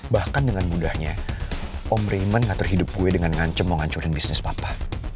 bahkan dengan mudahnya om reman ngatur hidup gue dengan ngancem mau ngancurin bisnis papa